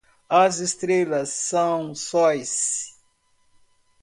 As estrelas são sóis.